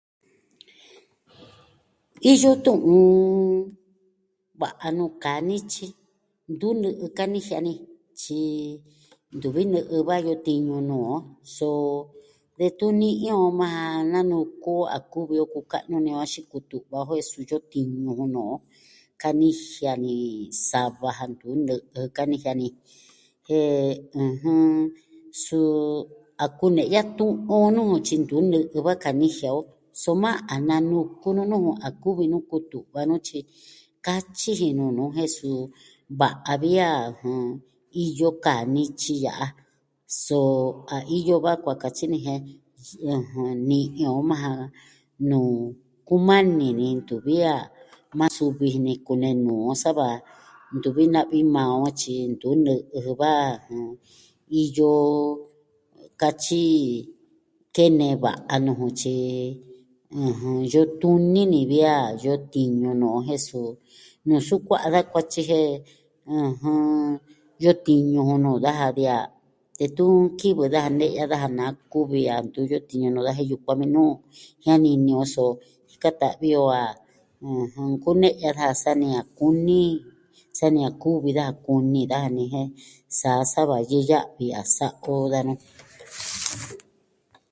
Iyo tu'un va'a nuu kaa nityi, ntu nɨ'ɨ kanijia ni, tyi ntuvi nɨ'ɨ va iyo tiñu nuu on. So detun ni'i on majan nanuku o a kuvi o kuka'nu ini o axin kutu'va o jen su iyo tiñu jun no'o. Kanijia ni sa va ja ntu nɨ'ɨ kanijia ni. Jen, ɨjɨn, suu a kune'ya tu'un o nuu tyi ntu nɨ'ɨ va kanijia o, soma a nanuku nu nuu a kuvi nu kutu'va nu, tyi katyi ji nuu nu, jen suu va'a vi a, jɨn, iyo kaa nityi ya'a. So a iyo va kua katyi ni jen, ɨjɨn, ni'i o majan nuu, kumani ni ntuvi a maa suvi ji ni kunee nuu on sa va ntuvi na'vi maa on tyi ntu nɨ'ɨ jɨ va, iyo katyi kene va'a nuu jun, tyi, ɨjɨn, yutun nini vi a iyo tiñu nuu on jen nsukua'a da kuatyi jen, ɨjɨn, iyo tiñu jun nuu daja vi a detun kivɨ daja ne'ya daja na kuvi a ntu iyo tiñu nuu daja jen yukuan vi nuu jianini on so jika ta'vi o a ɨjɨn, nkune'ya ja sani a kuun ni, sani a kuvi daja kuni daja ni jen saa sava yɨ'ɨ ya'vɨ a sa'a o danu.